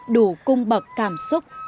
đủ cung bậc cảm xúc